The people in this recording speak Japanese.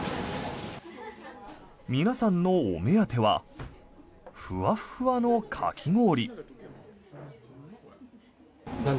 皆さんのお目当てはふわふわのかき氷。